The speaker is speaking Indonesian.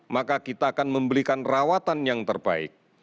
maka kita akan memberikan rawatan yang terbaik